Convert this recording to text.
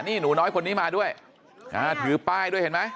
นี่หนูน้อยคนนี้มาด้วยถือป้ายด้วยเห็นไหม